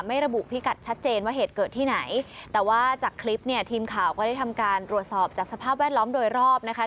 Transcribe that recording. ระบุพิกัดชัดเจนว่าเหตุเกิดที่ไหนแต่ว่าจากคลิปเนี่ยทีมข่าวก็ได้ทำการตรวจสอบจากสภาพแวดล้อมโดยรอบนะคะ